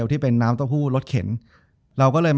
จบการโรงแรมจบการโรงแรม